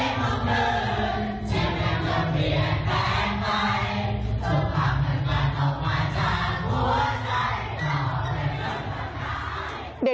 รอเลยจนกำลังไหล